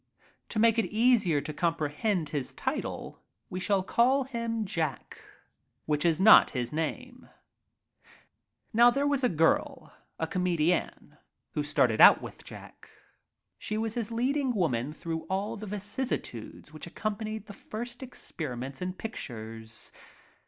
To make it easier to com A BATTLE ROYAL 51 prehend his title we shall call him Jack — which is not his name. was a girl — a comedienne — who started out^with Jack. She was his leading woman through all the vicissitudes which accompanied the experiments in pictures.